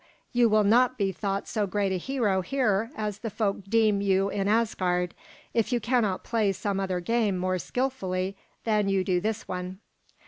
You will not be thought so great a hero here as the folk deem you in Asgard, if you cannot play some other game more skillfully than you do this one."